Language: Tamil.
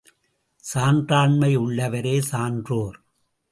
சான்றாண்மை உள்ளவரே சான்றோர்.